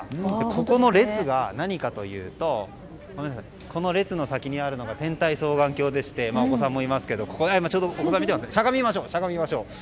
ここの列が何かというとこの列の先にあるのが天体双眼鏡でお子さんもいますけどちょうどお子さんが見てますね。